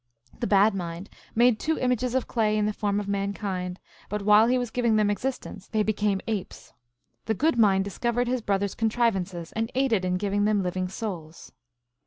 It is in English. The Bad Mind made two images of clay in the form of mankind, but while he was giving them existence they became apes. The Good Mind discovered his brother s contrivances, and aided in giving them living souls.